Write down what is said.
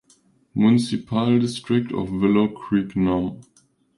Municipal District of Willow Creek No.